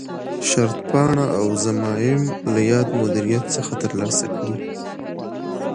شرطپاڼه او ضمایم له یاد مدیریت څخه ترلاسه کړي.